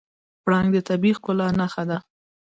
پړانګ د طبیعي ښکلا نښه ده.